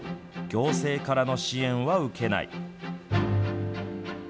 行政からの支援は受けない。